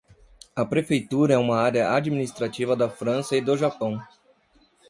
A prefeitura é uma área administrativa da França e do Japão.